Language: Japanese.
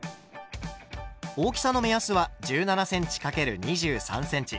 大きさの目安は１７ｃｍ×２３ｃｍ。